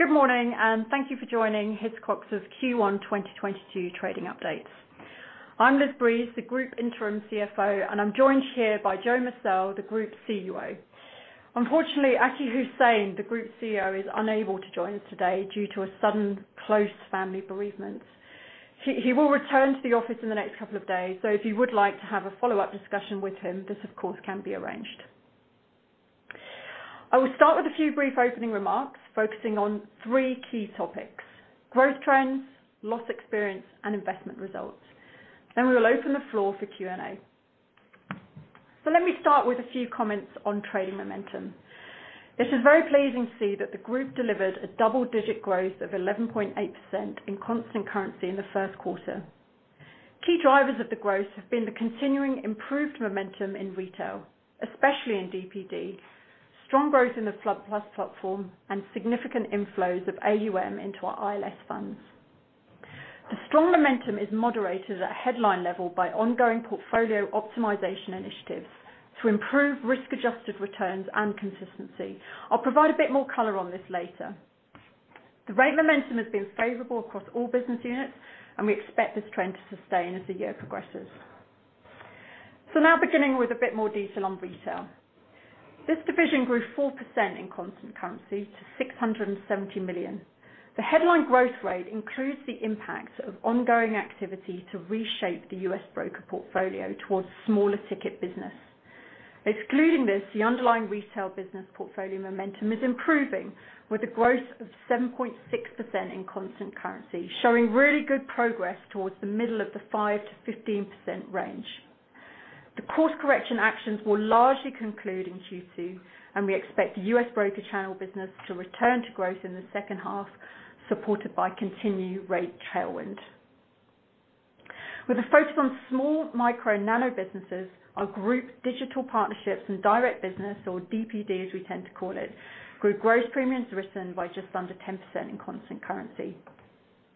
Good morning, and thank you for joining Hiscox's Q1 2022 trading update. I'm Liz Breeze, the Group Interim CFO, and I'm joined here by Joanne Musselle, the Group CUO. Unfortunately, Aki Hussain, the Group CEO, is unable to join us today due to a sudden close family bereavement. He will return to the office in the next couple of days, so if you would like to have a follow-up discussion with him, this of course can be arranged. I will start with a few brief opening remarks focusing on three key topics, growth trends, loss experience, and investment results. Then we will open the floor for Q&A. Let me start with a few comments on trading momentum. This is very pleasing to see that the group delivered a double-digit growth of 11.8% in constant currency in the first quarter. Key drivers of the growth have been the continuing improved momentum in retail, especially in DPD, strong growth in the FloodPlus platform, and significant inflows of AUM into our ILS funds. The strong momentum is moderated at headline level by ongoing portfolio optimization initiatives to improve risk-adjusted returns and consistency. I'll provide a bit more color on this later. The rate momentum has been favorable across all business units, and we expect this trend to sustain as the year progresses. Now beginning with a bit more detail on retail. This division grew 4% in constant currency to $670 million. The headline growth rate includes the impact of ongoing activity to reshape the U.S. broker portfolio towards smaller ticket business. Excluding this, the underlying retail business portfolio momentum is improving with a growth of 7.6% in constant currency, showing really good progress towards the middle of the 5%-15% range. The course correction actions will largely conclude in Q2, and we expect the U.S. broker channel business to return to growth in the second half, supported by continued rate tailwind. With a focus on small micro nano businesses, our group digital partnerships and direct business, or DPD as we tend to call it, grew gross premiums written by just under 10% in constant currency.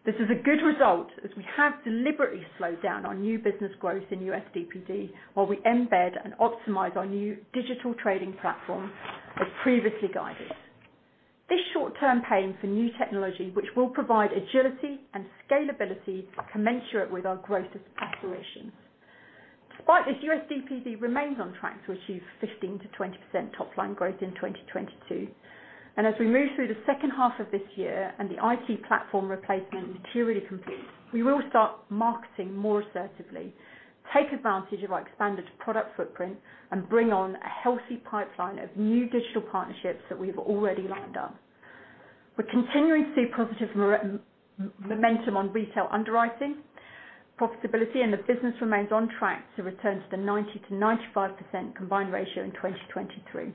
This is a good result as we have deliberately slowed down our new business growth in U.S. DPD while we embed and optimize our new digital trading platform as previously guided. This short-term pain for new technology, which will provide agility and scalability commensurate with our growth aspirations. Despite this, U.S. DPD remains on track to achieve 15%-20% top-line growth in 2022. As we move through the second half of this year and the IT platform replacement materially complete, we will start marketing more assertively, take advantage of our expanded product footprint, and bring on a healthy pipeline of new digital partnerships that we've already lined up. We're continuing to see positive momentum on retail underwriting profitability, and the business remains on track to return to the 90%-95% combined ratio in 2023.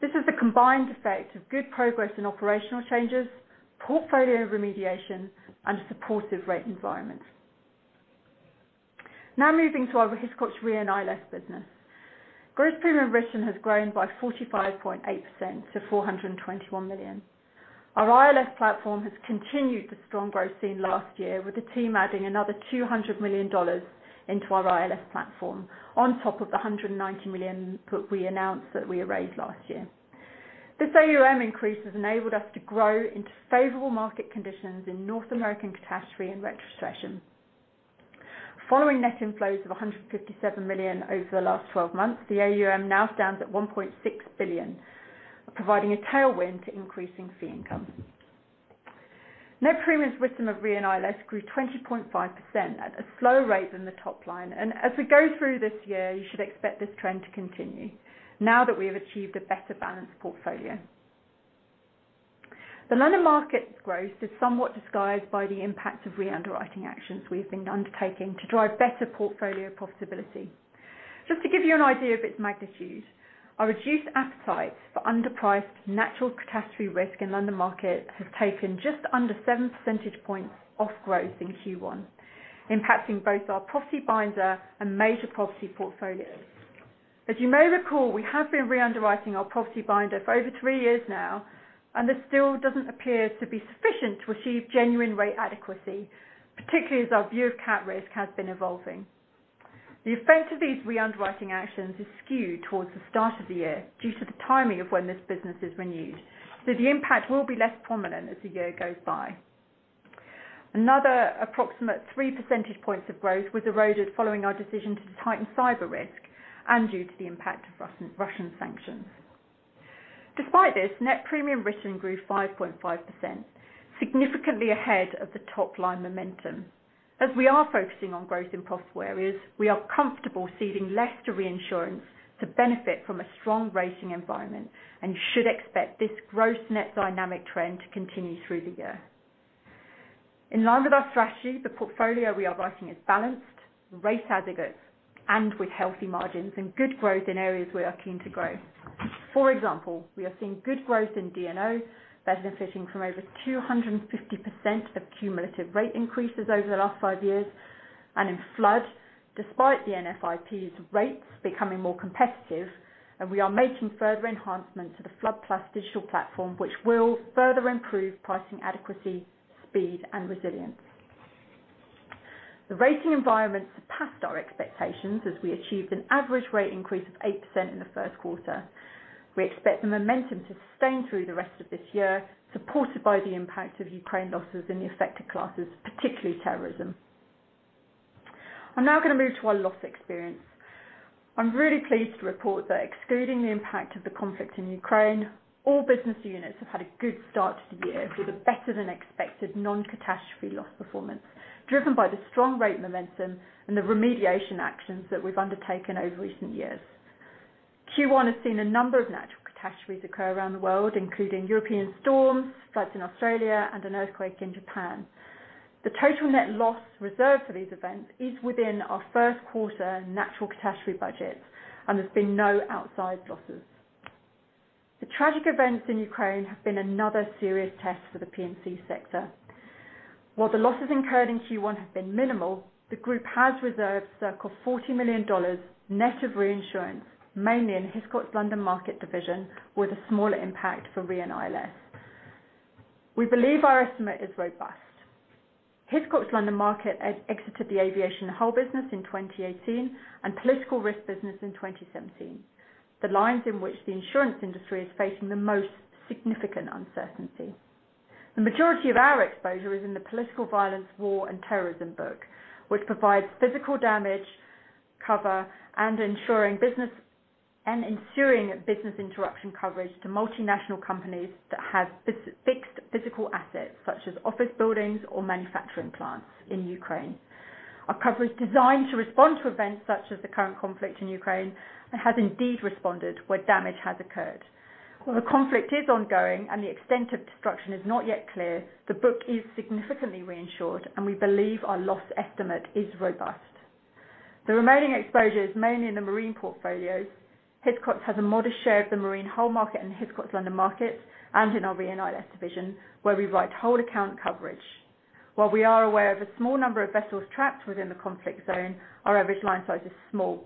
This is the combined effect of good progress in operational changes, portfolio remediation, and a supportive rate environment. Now moving to our Hiscox Re & ILS business. Gross premium written has grown by 45.8% to $421 million. Our ILS platform has continued the strong growth seen last year, with the team adding another $200 million into our ILS platform on top of the $190 million that we announced that we raised last year. This AUM increase has enabled us to grow into favorable market conditions in North American catastrophe and retrocession. Following net inflows of $157 million over the last 12 months, the AUM now stands at $1.6 billion, providing a tailwind to increasing fee income. Net premiums written of Re & ILS grew 20.5% at a slower rate than the top line. As we go through this year, you should expect this trend to continue now that we have achieved a better balanced portfolio. The London markets growth is somewhat disguised by the impact of re-underwriting actions we've been undertaking to drive better portfolio profitability. Just to give you an idea of its magnitude, our reduced appetite for underpriced natural catastrophe risk in London Market has taken just under seven percentage points off growth in Q1, impacting both our property binder and major property portfolios. As you may recall, we have been re-underwriting our property binder for over three years now, and this still doesn't appear to be sufficient to achieve genuine rate adequacy, particularly as our view of cat risk has been evolving. The effect of these re-underwriting actions is skewed towards the start of the year due to the timing of when this business is renewed, so the impact will be less prominent as the year goes by. Another approximate three percentage points of growth was eroded following our decision to tighten cyber risk and due to the impact of Russian sanctions. Despite this, net premium written grew 5.5%, significantly ahead of the top-line momentum. As we are focusing on growth in profitable areas, we are comfortable ceding less to reinsurance to benefit from a strong rating environment and should expect this gross net dynamic trend to continue through the year. In line with our strategy, the portfolio we are writing is balanced, rate adequate, and with healthy margins and good growth in areas we are keen to grow. For example, we are seeing good growth in D&O that's benefiting from over 250% of cumulative rate increases over the last five years. In flood, despite the NFIP's rates becoming more competitive, and we are making further enhancements to the FloodPlus digital platform, which will further improve pricing adequacy, speed, and resilience. The rating environment surpassed our expectations as we achieved an average rate increase of 8% in the first quarter. We expect the momentum to sustain through the rest of this year, supported by the impact of Ukraine losses in the affected classes, particularly terrorism. I'm now gonna move to our loss experience. I'm really pleased to report that excluding the impact of the conflict in Ukraine, all business units have had a good start to the year with a better than expected non-catastrophe loss performance, driven by the strong rate momentum and the remediation actions that we've undertaken over recent years. Q1 has seen a number of natural catastrophes occur around the world, including European storms, floods in Australia, and an earthquake in Japan. The total net loss reserved for these events is within our first quarter natural catastrophe budget, and there's been no outsized losses. The tragic events in Ukraine have been another serious test for the P&C sector. While the losses incurred in Q1 have been minimal, the group has reserved circa $40 million net of reinsurance, mainly in Hiscox London Market division with a smaller impact for Re & ILS. We believe our estimate is robust. Hiscox London Market exited the aviation hull business in 2018 and political risk business in 2017. The lines in which the insurance industry is facing the most significant uncertainty. The majority of our exposure is in the political violence, war, and terrorism book, which provides physical damage cover and ensuring business interruption coverage to multinational companies that have physical assets such as office buildings or manufacturing plants in Ukraine. Our coverage designed to respond to events such as the current conflict in Ukraine, and has indeed responded where damage has occurred. While the conflict is ongoing and the extent of destruction is not yet clear, the book is significantly reinsured, and we believe our loss estimate is robust. The remaining exposure is mainly in the marine portfolios. Hiscox has a modest share of the marine hull market in Hiscox London Market and in our Re & ILS division, where we write hull account coverage. While we are aware of a small number of vessels trapped within the conflict zone, our average line size is small.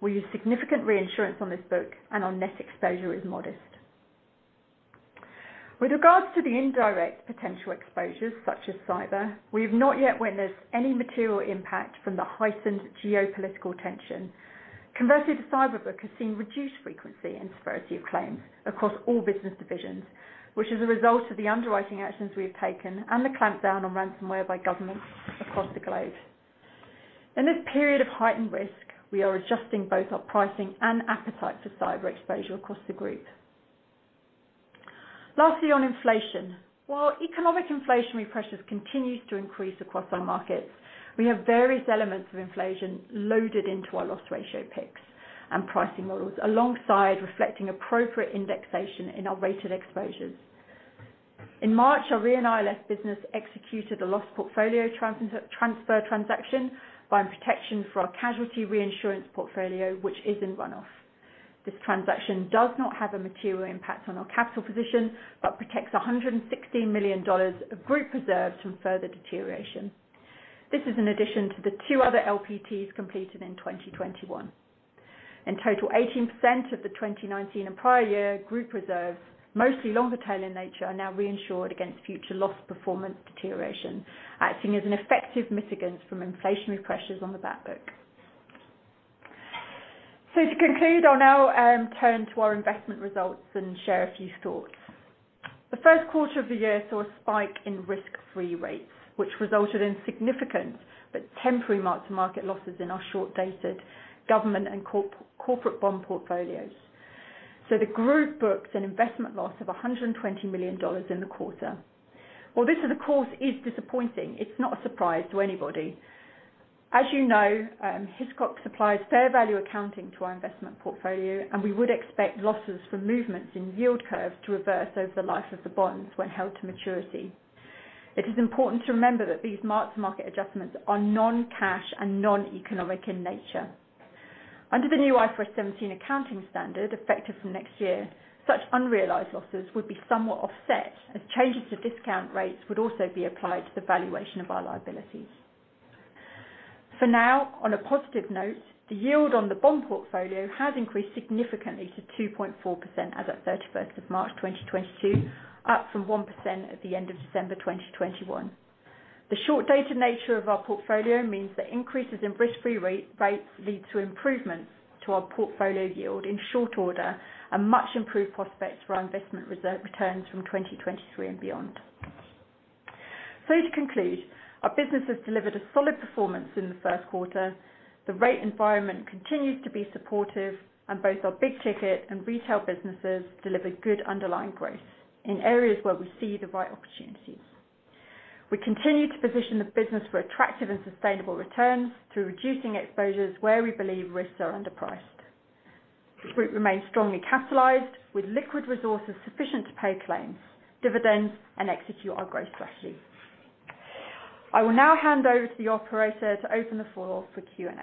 We use significant reinsurance on this book, and our net exposure is modest. With regards to the indirect potential exposures such as cyber, we have not yet witnessed any material impact from the heightened geopolitical tension. Converted cyber book has seen reduced frequency and severity of claims across all business divisions, which is a result of the underwriting actions we have taken and the clampdown on ransomware by governments across the globe. In this period of heightened risk, we are adjusting both our pricing and appetite for cyber exposure across the group. Lastly, on inflation. While economic inflationary pressures continues to increase across our markets, we have various elements of inflation loaded into our loss ratio picks and pricing models, alongside reflecting appropriate indexation in our rated exposures. In March, our Re & ILS business executed a loss portfolio transfer transaction buying protection for our casualty reinsurance portfolio, which is in run-off. This transaction does not have a material impact on our capital position, but protects $116 million of group reserves from further deterioration. This is in addition to the two other LPTs completed in 2021. In total, 18% of the 2019 and prior year group reserves, mostly longer tail in nature, are now reinsured against future loss performance deterioration, acting as an effective mitigant from inflationary pressures on the back book. To conclude, I'll now turn to our investment results and share a few thoughts. The first quarter of the year saw a spike in risk-free rates, which resulted in significant but temporary mark-to-market losses in our short-dated government and corporate bond portfolios. The group booked an investment loss of $120 million in the quarter. While this of course is disappointing, it's not a surprise to anybody. As you know, Hiscox applies fair value accounting to our investment portfolio, and we would expect losses from movements in yield curves to reverse over the life of the bonds when held to maturity. It is important to remember that these mark-to-market adjustments are non-cash and non-economic in nature. Under the new IFRS 17 accounting standard effective from next year, such unrealized losses would be somewhat offset as changes to discount rates would also be applied to the valuation of our liabilities. For now, on a positive note, the yield on the bond portfolio has increased significantly to 2.4% as at 31st of March 2022, up from 1% at the end of December 2021. The short-dated nature of our portfolio means that increases in risk-free rates lead to improvements to our portfolio yield in short order and much improved prospects for our investment reserve returns from 2023 and beyond. To conclude, our business has delivered a solid performance in the first quarter. The rate environment continues to be supportive, and both our big ticket and retail businesses delivered good underlying growth in areas where we see the right opportunities. We continue to position the business for attractive and sustainable returns through reducing exposures where we believe risks are underpriced. The group remains strongly capitalized with liquid resources sufficient to pay claims, dividends, and execute our growth strategy. I will now hand over to the operator to open the floor for Q&A.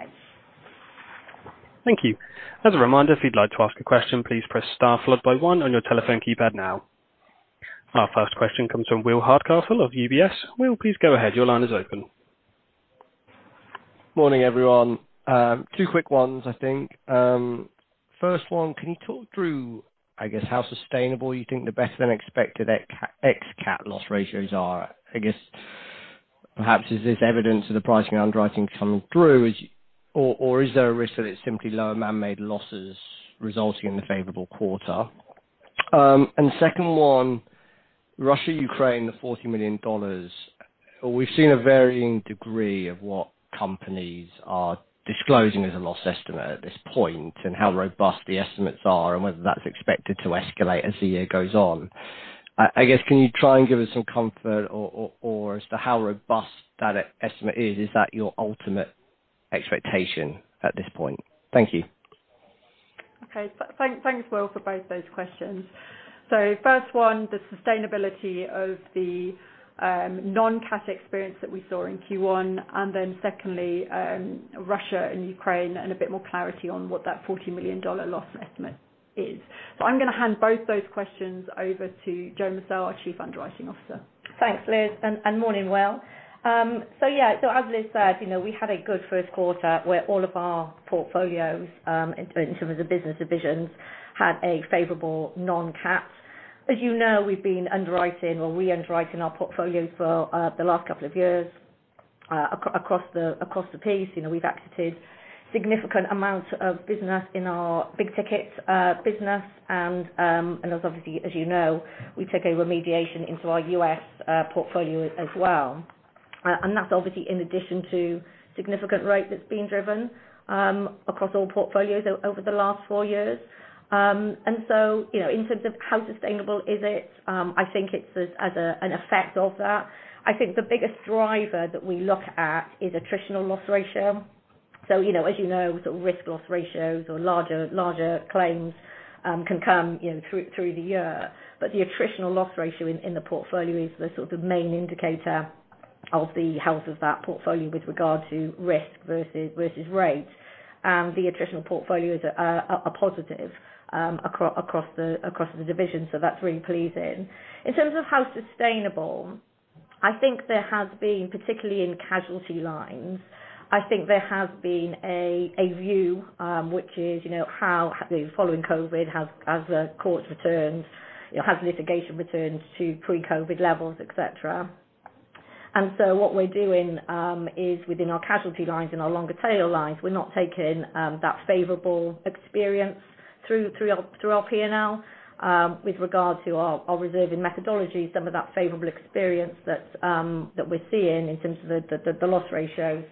Thank you. As a reminder, if you'd like to ask a question, please press star followed by one on your telephone keypad now. Our first question comes from William Hardcastle of UBS. Will, please go ahead. Your line is open. Morning, everyone. Two quick ones, I think. First one, can you talk through, I guess, how sustainable you think the better than expected ex-cat loss ratios are? I guess perhaps is this evidence of the pricing underwriting coming through? Or is there a risk that it's simply lower man-made losses resulting in the favorable quarter? Second one, Russia, Ukraine, the $40 million. We've seen a varying degree of what companies are disclosing as a loss estimate at this point and how robust the estimates are and whether that's expected to escalate as the year goes on. I guess, can you try and give us some comfort or as to how robust that estimate is? Is that your ultimate expectation at this point? Thank you. Okay. Thanks, Will, for both those questions. First one, the sustainability of the non-cat experience that we saw in Q1, and then secondly, Russia and Ukraine and a bit more clarity on what that $40 million loss estimate is. I'm gonna hand both those questions over to Joanne Musselle, our Chief Underwriting Officer. Thanks, Liz, and morning, Will. As Liz said, you know, we had a good first quarter where all of our portfolios, in terms of the business divisions, had a favorable non-cat. As you know, we've been underwriting or re-underwriting our portfolios for the last couple of years, across the piece. You know, we've accepted significant amounts of business in our big ticket business and, as obviously, as you know, we took a remediation into our U.S. portfolio as well. That's obviously in addition to significant rate that's been driven across all portfolios over the last four years. You know, in terms of how sustainable is it, I think it's as an effect of that. I think the biggest driver that we look at is attritional loss ratio. You know, as you know, sort of risk loss ratios or larger claims can come, you know, through the year. The attritional loss ratio in the portfolio is the sort of main indicator of the health of that portfolio with regard to risk versus rate. The attritional portfolio is a positive across the division, so that's really pleasing. In terms of how sustainable, I think there has been, particularly in casualty lines, I think there has been a view, which is, you know, how following COVID has the courts returned, you know, has litigation returned to pre-COVID levels, et cetera. What we're doing is within our casualty lines and our longer tail lines, we're not taking that favorable experience through our P&L. With regard to our reserving methodology, some of that favorable experience that we're seeing in terms of the loss ratio,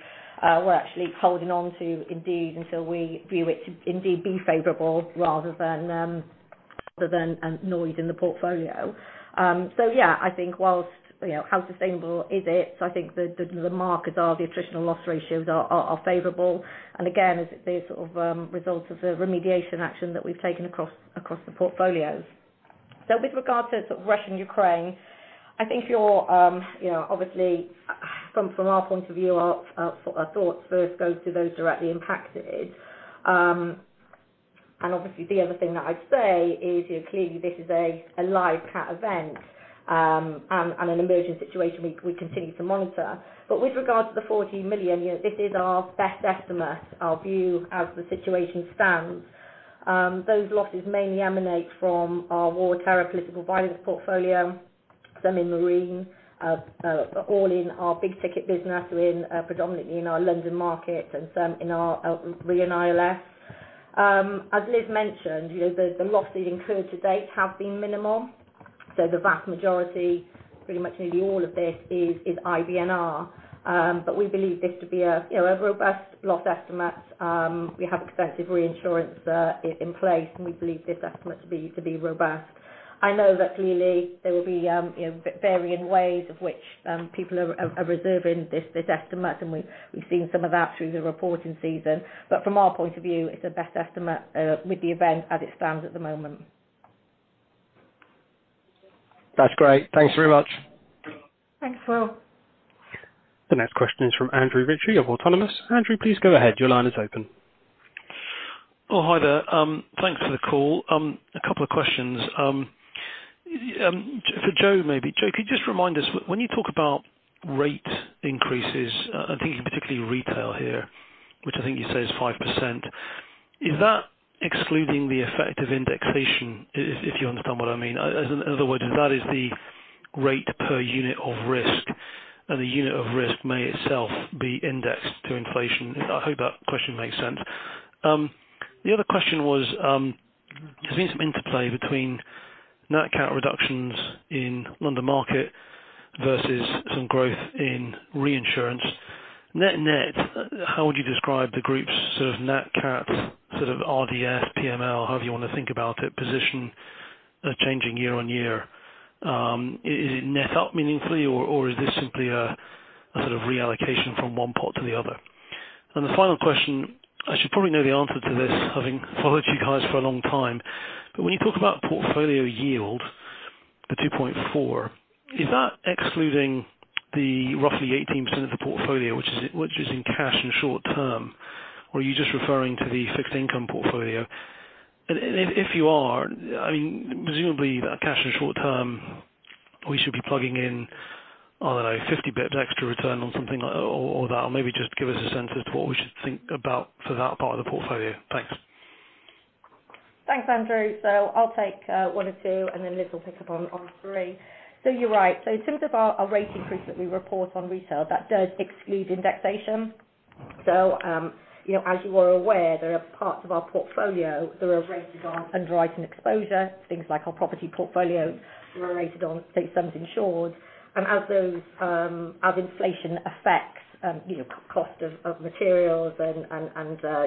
we're actually holding on to indeed until we view it to indeed be favorable rather than a noise in the portfolio. Yeah, I think while, you know, how sustainable is it? I think the markers are the attritional loss ratios are favorable. And again, as the sort of result of the remediation action that we've taken across the portfolios. With regard to sort of Russia and Ukraine, I think you know, obviously from our point of view, our thoughts first go to those directly impacted. Obviously the other thing that I'd say is, you know, clearly this is a live cat event, and an emerging situation we continue to monitor. With regards to the $40 million, you know, this is our best estimate, our view as the situation stands. Those losses mainly emanate from our war-terror political violence portfolio, some in marine, all in our big ticket business, predominantly in our London market and some in our Re & ILS. As Liz mentioned, you know, the losses incurred to date have been minimal. The vast majority, pretty much nearly all of this is IBNR. We believe this to be a, you know, robust loss estimate. We have extensive reinsurance in place, and we believe this estimate to be robust. I know that clearly there will be, you know, varying ways of which people are reserving this estimate, and we've seen some of that through the reporting season. From our point of view, it's a best estimate, with the event as it stands at the moment. That's great. Thanks very much. Thanks, Will. The next question is from Andrew Ritchie of Autonomous. Andrew, please go ahead. Your line is open. Oh, hi there. Thanks for the call. A couple of questions. For Jo maybe. Jo, could you just remind us when you talk about rate increases, and think in particularly retail here, which I think you say is 5%, is that excluding the effect of indexation? If you understand what I mean. In other words, if that is the rate per unit of risk and the unit of risk may itself be indexed to inflation. I hope that question makes sense. The other question was, there seems some interplay between net cat reductions in London Market versus some growth in reinsurance. Net net, how would you describe the group's sort of net cat, sort of RDS, P&L, however you wanna think about it, position, changing year-on-year? Is it net up meaningfully, or is this simply a sort of reallocation from one pot to the other? The final question, I should probably know the answer to this, having followed you guys for a long time, but when you talk about portfolio yield, the 2.4%, is that excluding the roughly 18% of the portfolio which is in cash and short term? Or are you just referring to the fixed income portfolio? If you are, I mean, presumably that cash and short term, we should be plugging in, I don't know, 50 basis points extra return on something like that, or maybe just give us a sense as to what we should think about for that part of the portfolio. Thanks. Thanks, Andrew. I'll take one and two, and then Liz will pick up on three. You're right. In terms of our rate increase that we report on retail, that does exclude indexation. You know, as you are aware, there are parts of our portfolio that are rated on underwriting exposure, things like our property portfolio rated on, say, sums insured. As inflation affects you know cost of materials and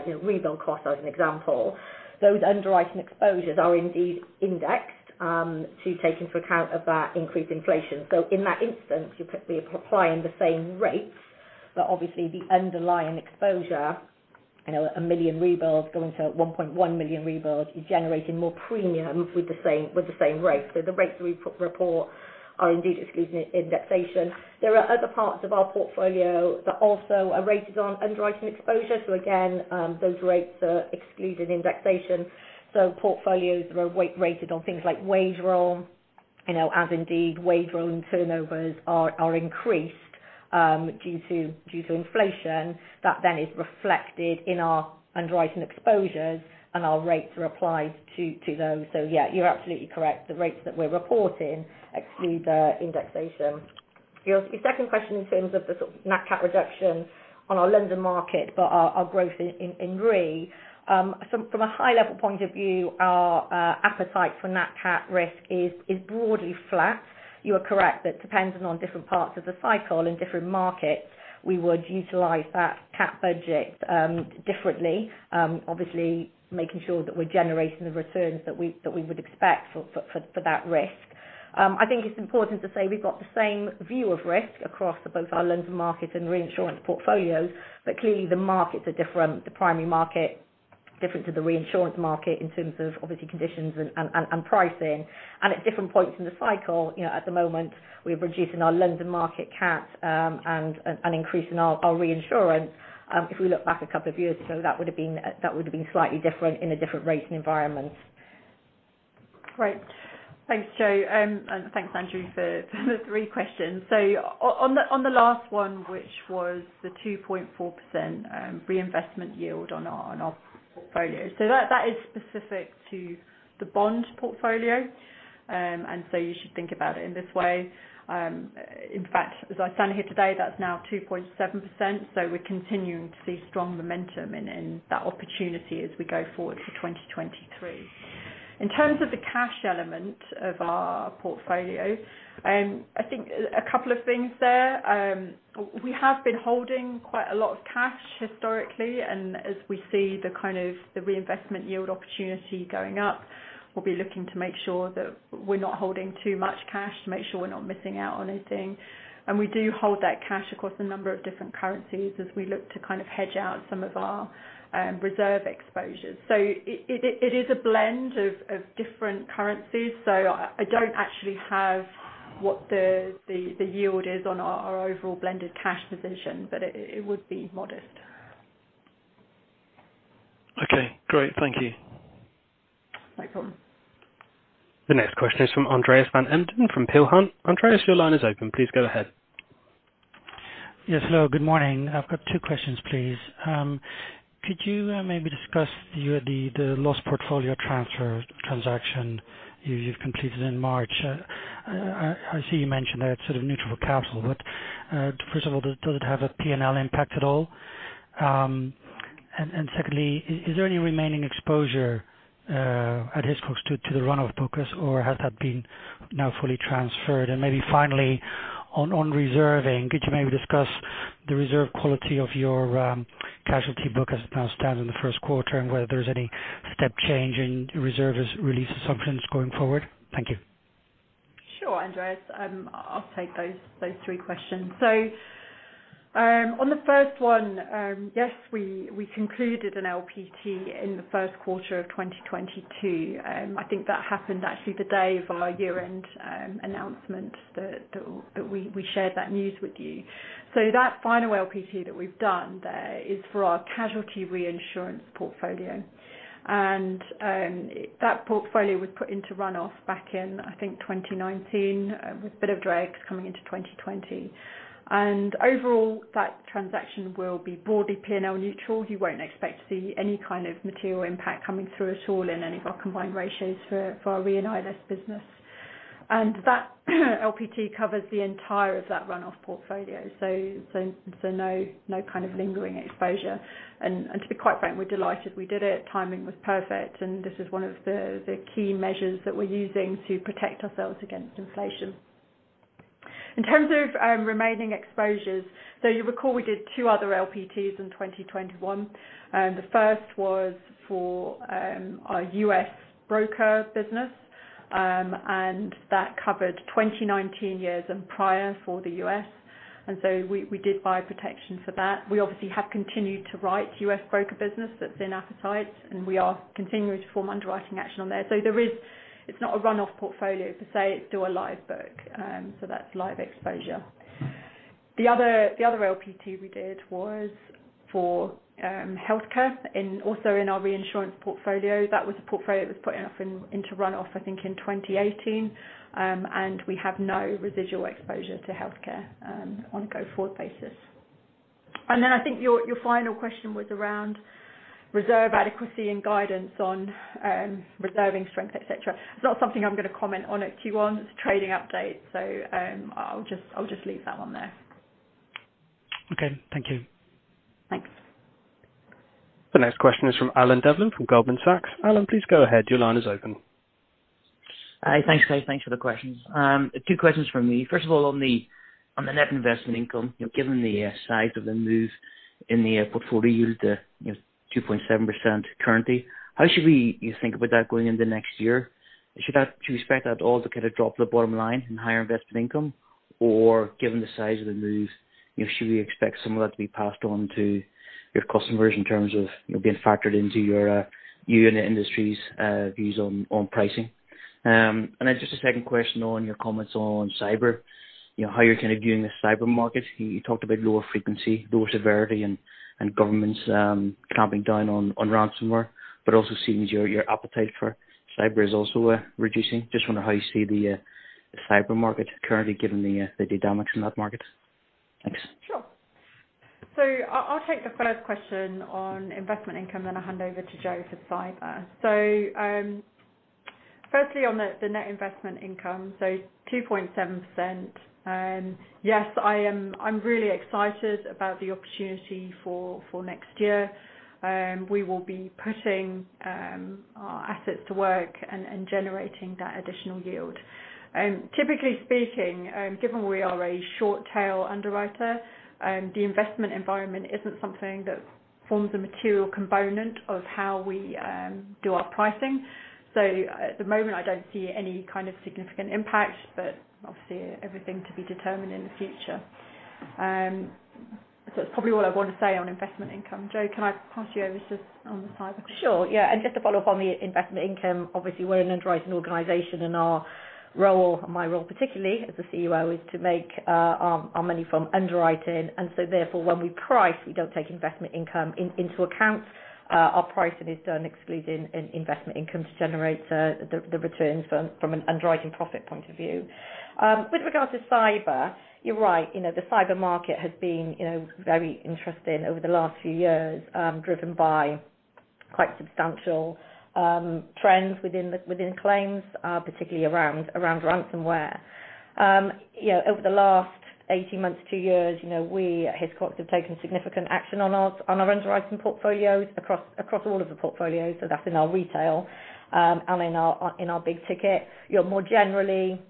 you know rebuild costs as an example, those underwriting exposures are indeed indexed to take into account of that increased inflation. In that instance, you're quickly applying the same rates, but obviously the underlying exposure, you know, a million rebuilds going to 1.1 million rebuilds, you're generating more premium with the same rate. The rates we report are indeed excluding indexation. There are other parts of our portfolio that also are rated on underwriting exposure. Again, those rates are excluding indexation. Portfolios that are rated on things like wage roll, you know, as indeed wage roll and turnovers are increased due to inflation, that then is reflected in our underwriting exposures and our rates are applied to those. Yeah, you're absolutely correct. The rates that we're reporting exclude indexation. Your second question in terms of the nat cat reduction on our London market, but our growth in RE. From a high level point of view, our appetite for nat cat risk is broadly flat. You are correct that dependent on different parts of the cycle and different markets, we would utilize that cat budget differently, obviously making sure that we're generating the returns that we would expect for that risk. I think it's important to say we've got the same view of risk across both our London market and reinsurance portfolios, but clearly the markets are different, the primary market different to the reinsurance market in terms of obviously conditions and pricing. At different points in the cycle, you know, at the moment, we're reducing our London market cat and increasing our reinsurance. If we look back a couple of years ago, that would have been slightly different in a different rating environment. Great. Thanks, Jo. Thanks, Andrew, for the three questions. On the last one, which was the 2.4% reinvestment yield on our portfolio. That is specific to the bond portfolio. You should think about it in this way. In fact, as I stand here today, that's now 2.7%. We're continuing to see strong momentum in that opportunity as we go forward for 2023. In terms of the cash element of our portfolio, I think a couple of things there. We have been holding quite a lot of cash historically, and as we see the kind of the reinvestment yield opportunity going up, we'll be looking to make sure that we're not holding too much cash to make sure we're not missing out on anything. We do hold that cash across a number of different currencies as we look to kind of hedge out some of our reserve exposures. It is a blend of different currencies. I don't actually have what the yield is on our overall blended cash position, but it would be modest. Okay, great. Thank you. No problem. The next question is from Andreas van Embden from Peel Hunt. Andreas, your line is open. Please go ahead. Yes, hello. Good morning. I've got two questions, please. Could you maybe discuss the loss portfolio transfer transaction you've completed in March? I see you mentioned that it's sort of neutral for capital, but first of all, does it have a P&L impact at all? And secondly, is there any remaining exposure at Hiscox to the run-off book or has that been now fully transferred? Maybe finally, on reserving, could you maybe discuss the reserve quality of your casualty book as it now stands in the first quarter and whether there's any step change in reserves release assumptions going forward? Thank you. Sure, Andreas. I'll take those three questions. On the first one, yes, we concluded an LPT in the first quarter of 2022. I think that happened actually the day of our year-end announcement that we shared that news with you. That final LPT that we've done there is for our casualty reinsurance portfolio. That portfolio was put into run-off back in, I think, 2019, with a bit of drag coming into 2020. Overall, that transaction will be broadly P&L neutral. You won't expect to see any kind of material impact coming through at all in any of our combined ratios for our Re & ILS business. That LPT covers the entire of that run-off portfolio. No kind of lingering exposure. To be quite frank, we're delighted we did it. Timing was perfect, and this is one of the key measures that we're using to protect ourselves against inflation. In terms of remaining exposures, you'll recall we did two other LPTs in 2021. The first was for our U.S. broker business, and that covered 2019 years and prior for the U.S. We did buy protection for that. We obviously have continued to write U.S. broker business. That's in appetite, and we are continuing to perform underwriting action on there. There is. It's not a run-off portfolio per se, it's still a live book. That's live exposure. The other LPT we did was for healthcare, and also in our reinsurance portfolio. That was a portfolio that was putting into runoff, I think, in 2018. We have no residual exposure to healthcare on a go-forward basis. Then I think your final question was around reserve adequacy and guidance on reserving strength, et cetera. It's not something I'm gonna comment on at Q1. It's a trading update, so I'll just leave that one there. Okay. Thank you. Thanks. The next question is from Alan Devlin from Goldman Sachs. Alan, please go ahead. Your line is open. Thanks guys. Thanks for the questions. Two questions from me. First of all, on the net investment income, you know, given the size of the move in the portfolio, you know, 2.7% currently, how should we think about that going into next year? Should we expect that all to kind of drop to the bottom line in higher investment income? Or given the size of the move, you know, should we expect some of that to be passed on to your customers in terms of, you know, being factored into your underwriting views on pricing? Just a second question on your comments on cyber. You know, how you're kind of viewing the cyber market. You talked about lower frequency, lower severity and governments clamping down on ransomware, but also seeing your appetite for cyber is also reducing. Just wondering how you see the cyber market currently given the dynamics in that market. Thanks. Sure. I'll take the first question on investment income, then I'll hand over to Jo for cyber. Firstly on the net investment income, 2.7%. Yes, I'm really excited about the opportunity for next year. We will be putting our assets to work and generating that additional yield. Typically speaking, given we are a short tail underwriter, the investment environment isn't something that forms a material component of how we do our pricing. At the moment I don't see any kind of significant impact, but obviously everything to be determined in the future. That's probably all I want to say on investment income. Jo, can I pass you over just on the cyber? Sure. Yeah. Just to follow up on the investment income, obviously we're an underwriting organization and our role, my role particularly as the CUO, is to make our money from underwriting. Therefore when we price, we don't take investment income into account. Our pricing is done excluding investment income to generate the returns from an underwriting profit point of view. With regards to cyber, you're right. You know, the cyber market has been you know very interesting over the last few years, driven by quite substantial trends within claims, particularly around ransomware. You know, over the last 18 months to two years, you know, we at Hiscox have taken significant action on our underwriting portfolios across all of the portfolios. That's in our retail and in our big ticket. You know, more generally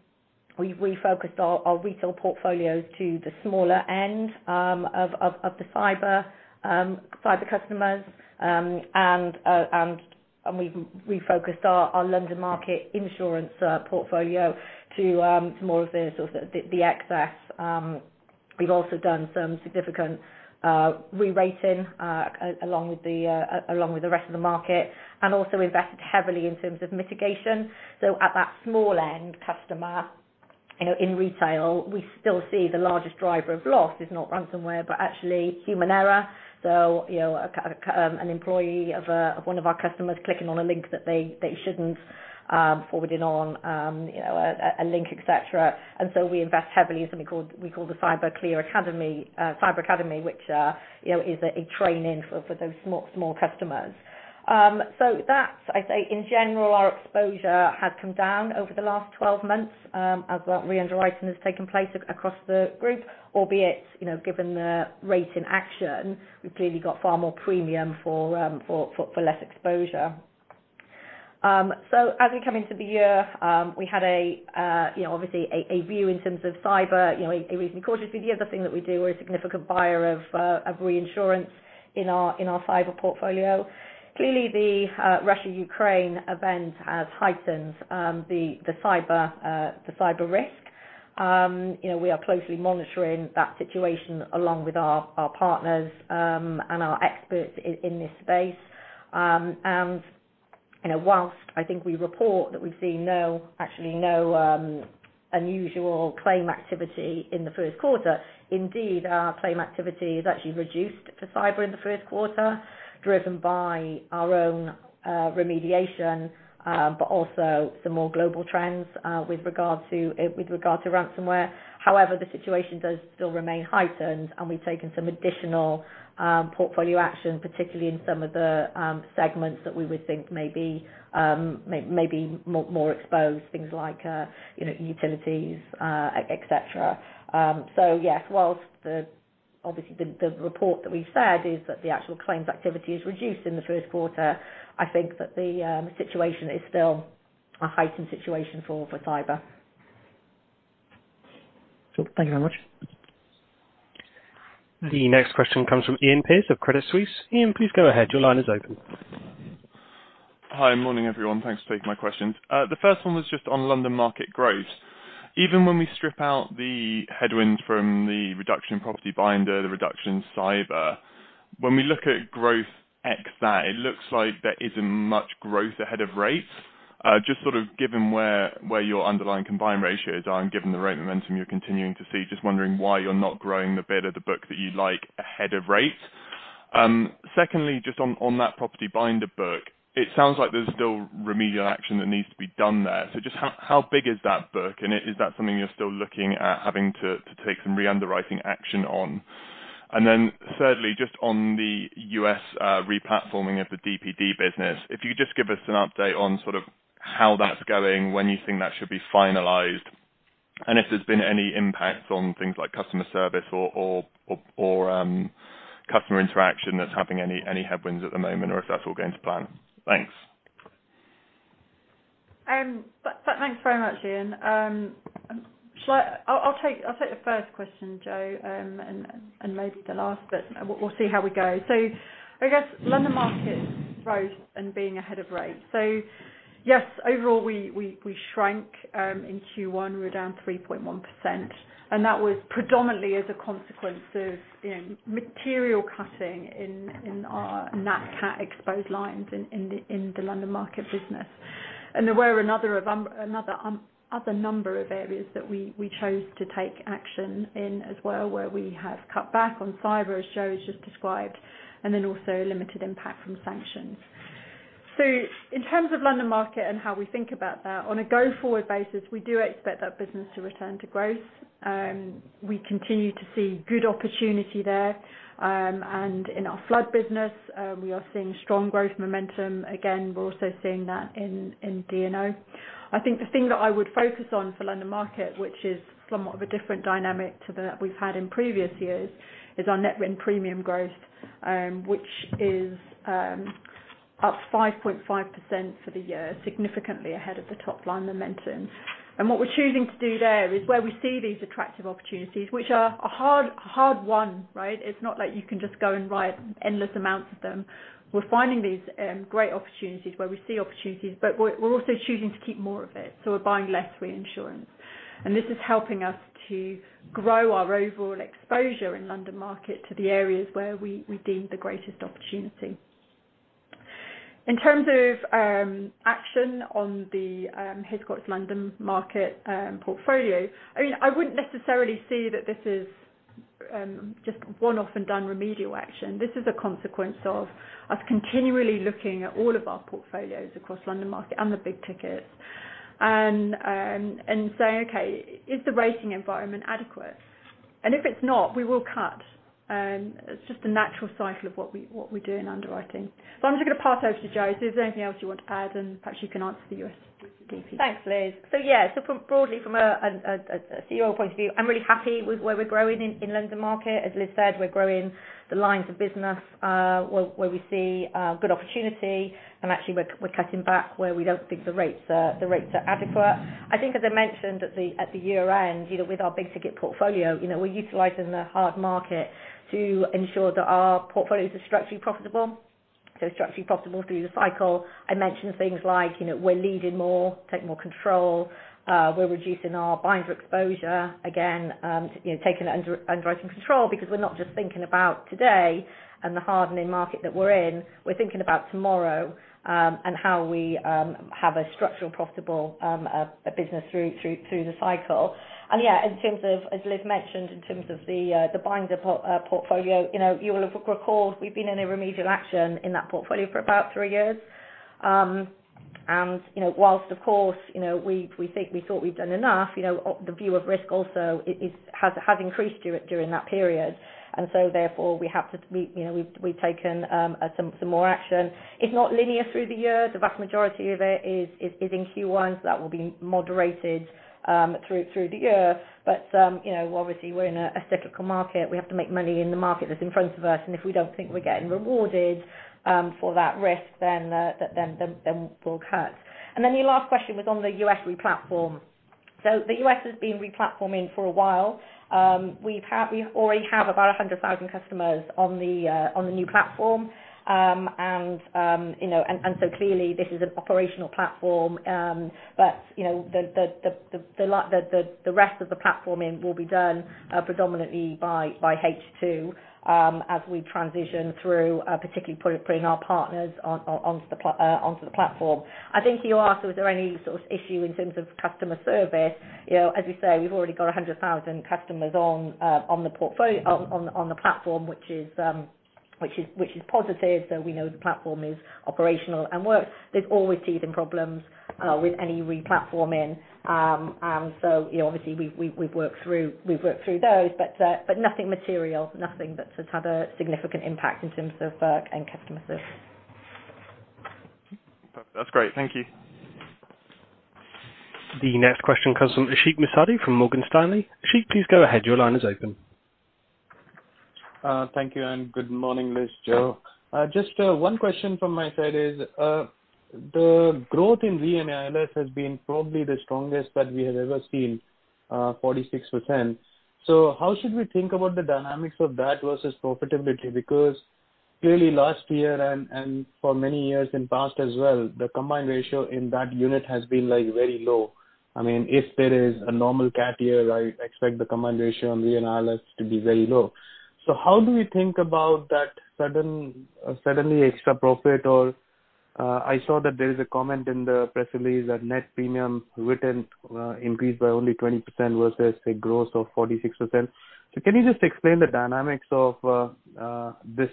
we've refocused our retail portfolios to the smaller end of the cyber customers. And we've refocused our London market insurance portfolio to more of the sort of the excess. We've also done some significant rerating along with the rest of the market, and also invested heavily in terms of mitigation. At that small end customer, you know, in retail, we still see the largest driver of loss is not ransomware, but actually human error. You know, an employee of one of our customers clicking on a link that they shouldn't, forwarding on, you know, a link, et cetera. We invest heavily in something called, we call the CyberClear Academy, Cyber Academy, which, you know, is a training for those small customers. I'd say in general, our exposure has come down over the last 12 months, as reunderwriting has taken place across the group, albeit, you know, given the rate action, we've clearly got far more premium for less exposure. As we come into the year, we had, you know, obviously a view in terms of cyber, you know, we're approaching it cautiously. The other thing that we do, we're a significant buyer of reinsurance in our cyber portfolio. Clearly the Russia-Ukraine event has heightened the cyber risk. You know, we are closely monitoring that situation along with our partners and our experts in this space. You know, while I think we report that we've seen no, actually no, unusual claim activity in the first quarter, indeed, our claim activity is actually reduced for cyber in the first quarter, driven by our own remediation but also some more global trends with regard to ransomware. However, the situation does still remain heightened and we've taken some additional portfolio action, particularly in some of the segments that we would think may be more exposed, things like you know, utilities, et cetera. Yes, while the- Obviously the report that we've said is that the actual claims activity is reduced in the first quarter. I think that the situation is still a heightened situation for cyber. Sure. Thank you very much. The next question comes from Iain Pearce of Credit Suisse. Iain, please go ahead. Your line is open. Hi, morning everyone. Thanks for taking my questions. The first one was just on London Market growth. Even when we strip out the headwinds from the reduction in property binder, the reduction in cyber. When we look at growth ex that, it looks like there isn't much growth ahead of rate. Just sort of given where your underlying combined ratios are and given the rate momentum you're continuing to see, just wondering why you're not growing the bit of the book that you like ahead of rate. Secondly, just on that property binder book, it sounds like there's still remedial action that needs to be done there. Just how big is that book? And is that something you're still looking at having to take some re-underwriting action on? Then thirdly, just on the U.S. replatforming of the DPD business, if you could just give us an update on sort of how that's going, when you think that should be finalized, and if there's been any impact on things like customer service or customer interaction that's having any headwinds at the moment, or if that's all going to plan. Thanks. Thanks very much, Iain. I'll take the first question, Jo, and maybe the last, but we'll see how we go. I guess London Market growth and being ahead of rate. Yes, overall we shrank in Q1. We're down 3.1%, and that was predominantly as a consequence of material cutting in our nat cat exposed lines in the London Market business. There were a number of other areas that we chose to take action in as well, where we have cut back on cyber, as Jo has just described, and then also limited impact from sanctions. In terms of London Market and how we think about that, on a go-forward basis, we do expect that business to return to growth. We continue to see good opportunity there. In our Flood business, we are seeing strong growth momentum again. We're also seeing that in D&O. I think the thing that I would focus on for London Market, which is somewhat of a different dynamic to that we've had in previous years, is our net written premium growth, which is up 5.5% for the year, significantly ahead of the top line momentum. What we're choosing to do there is where we see these attractive opportunities, which are a hard won, right? It's not like you can just go and write endless amounts of them. We're finding these great opportunities where we see opportunities, but we're also choosing to keep more of it, so we're buying less reinsurance. This is helping us to grow our overall exposure in London Market to the areas where we deem the greatest opportunity. In terms of action on the Hiscox London Market portfolio, I mean, I wouldn't necessarily see that this is just one-off and done remedial action. This is a consequence of us continually looking at all of our portfolios across London Market and the big tickets and saying, "Okay, is the rating environment adequate?" If it's not, we will cut. It's just a natural cycle of what we do in underwriting. I'm just gonna pass over to Jo. Is there anything else you want to add? Perhaps you can answer the U.S. DPD. Thanks, Liz. From broadly a CUO point of view, I'm really happy with where we're growing in London Market. As Liz said, we're growing the lines of business where we see good opportunity, and actually we're cutting back where we don't think the rates are adequate. I think as I mentioned at the year-end, you know, with our big ticket portfolio, you know, we're utilizing the hard market to ensure that our portfolios are structurally profitable through the cycle. I mentioned things like, you know, we're leading more, taking more control. We're reducing our binder exposure. Again, you know, taking underwriting control because we're not just thinking about today and the hardening market that we're in. We're thinking about tomorrow, and how we have a structurally profitable business through the cycle. Yeah, in terms of, as Liz mentioned, in terms of the binder portfolio, you know, you will have recalled we've been in a remedial action in that portfolio for about three years. You know, while of course, you know, we think we thought we'd done enough, you know, the view of risk also has increased during that period. Therefore we have to, you know, we've taken some more action. It's not linear through the year. The vast majority of it is in Q1, so that will be moderated through the year. You know, obviously we're in a cyclical market. We have to make money in the market that's in front of us, and if we don't think we're getting rewarded for that risk then we'll cut. Your last question was on the U.S. replatform. The U.S. has been replatforming for a while. We already have about 100,000 customers on the new platform. You know, clearly this is an operational platform. The rest of the platforming will be done predominantly by H2 as we transition through, particularly putting our partners onto the platform. I think you asked was there any sort of issue in terms of customer service. You know, as you say, we've already got 100,000 customers on the platform, which is positive. We know the platform is operational and works. There's always teething problems with any replatforming. You know, obviously we've worked through those, but nothing material, nothing that has had a significant impact in terms of work and customer service. That's great. Thank you. The next question comes from Ashik Musaddi from Morgan Stanley. Ashik, please go ahead. Your line is open. Thank you, good morning, Liz, Jo. Just one question from my side is the growth in Re & ILS has been probably the strongest that we have ever seen, 46%. How should we think about the dynamics of that versus profitability? Because clearly last year and for many years in past as well, the combined ratio in that unit has been like very low. I mean, if there is a normal cat year, I expect the combined ratio on Re & ILS to be very low. How do we think about that suddenly extra profit? I saw that there is a comment in the press release that net premium written increased by only 20% versus the growth of 46%. Can you just explain the dynamics of this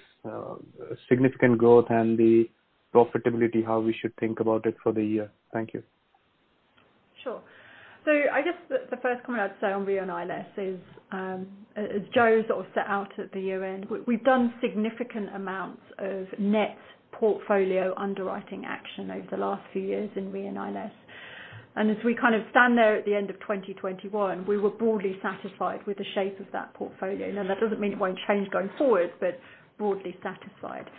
significant growth and the profitability, how we should think about it for the year? Thank you. Sure. I guess the first comment I'd say on Re & ILS is, as Jo sort of set out at the year-end, we've done significant amounts of net portfolio underwriting action over the last few years in Re & ILS. As we kind of stand there at the end of 2021, we were broadly satisfied with the shape of that portfolio. Now, that doesn't mean it won't change going forward, but broadly satisfied.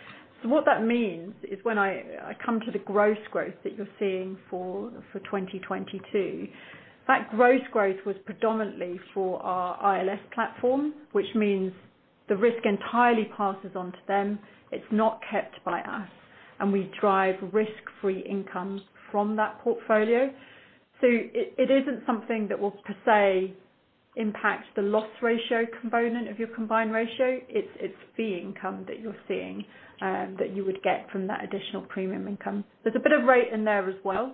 What that means is when I come to the gross growth that you're seeing for 2022, that gross growth was predominantly for our ILS platform, which means the risk entirely passes on to them. It's not kept by us, and we drive risk-free income from that portfolio. It isn't something that will per se impact the loss ratio component of your combined ratio. It's fee income that you're seeing that you would get from that additional premium income. There's a bit of rate in there as well.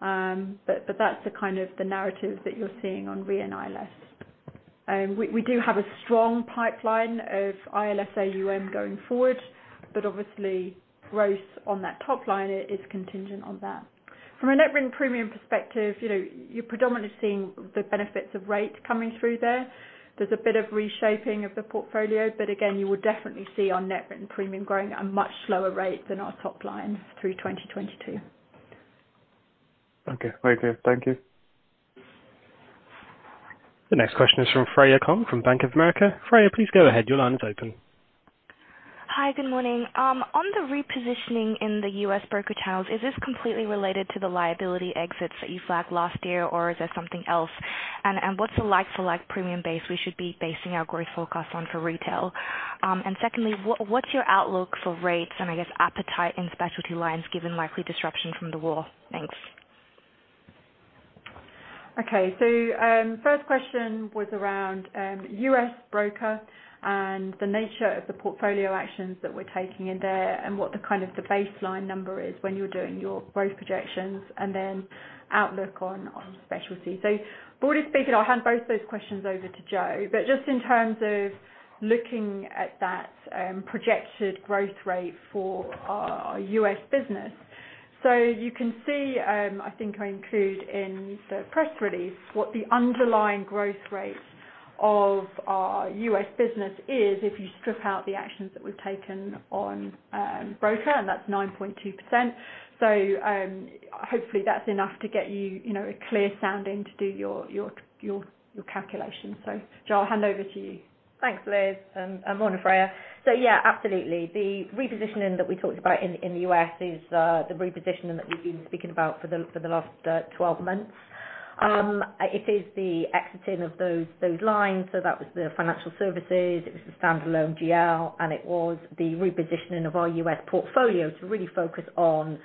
That's the kind of the narrative that you're seeing on Re & ILS. We do have a strong pipeline of ILS AUM going forward, but obviously growth on that top line is contingent on that. From a net written premium perspective, you know, you're predominantly seeing the benefits of rate coming through there. There's a bit of reshaping of the portfolio, but again, you will definitely see our net written premium growing at a much slower rate than our top line through 2022. Okay. Very clear. Thank you. The next question is from Freya Kong from Bank of America. Freya, please go ahead. Your line is open. Hi, good morning. On the repositioning in the U.S. broker channels, is this completely related to the liability exits that you flagged last year, or is there something else? What's the like for like premium base we should be basing our growth forecast on for retail? Secondly, what's your outlook for rates and I guess appetite in specialty lines given likely disruption from the war? Thanks. Okay. First question was around U.S. broker and the nature of the portfolio actions that we're taking in there and what the kind of the baseline number is when you're doing your growth projections and then outlook on specialty. Broadly speaking, I'll hand both those questions over to Jo. Just in terms of looking at that projected growth rate for our U.S. business. You can see, I think I include in the press release what the underlying growth rate of our U.S. business is if you strip out the actions that we've taken on broker, and that's 9.2%. Hopefully that's enough to get you know, a clear sounding to do your calculation. Jo, I'll hand over to you. Thanks, Liz, and morning, Freya. Yeah, absolutely. The repositioning that we talked about in the U.S. is the repositioning that we've been speaking about for the last 12 months. It is the exiting of those lines. That was the financial services. It was the standalone GL, and it was the repositioning of our U.S. portfolio to really focus on